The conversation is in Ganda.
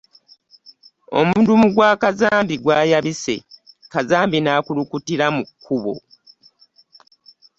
Omudumu gwa kazambi gwayabise kazambi n'akulukutira mu kkubo.